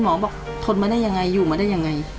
บอกทนมาได้ยังไงอยู่มาได้ยังไง